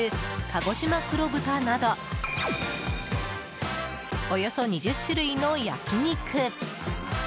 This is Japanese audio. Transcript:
鹿児島黒豚などおよそ２０種類の焼き肉。